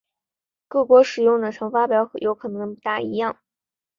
各国使用的乘法表有可能不太一样。